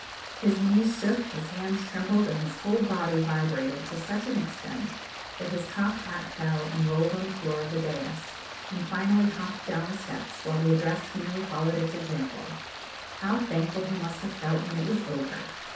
His knees shook, his hands trembled, and his whole body vibrated to such an extent, that his cocked hat fell and rolled on the floor of the daïs, and finally hopped down the steps, while the address nearly followed its example. How thankful he must have felt when it was over!